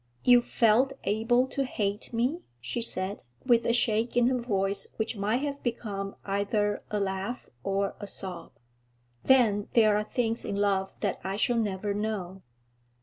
'You felt able to hate me?' she said, with a shake in her voice which might have become either a laugh or a sob. 'Then there are things in love that I shall never know.'